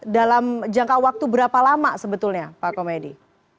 dalam jangka waktu berapa lama sebetulnya pak komedi